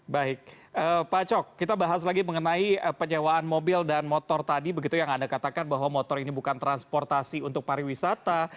baik pak cok kita bahas lagi mengenai penyewaan mobil dan motor tadi begitu yang anda katakan bahwa motor ini bukan transportasi untuk pariwisata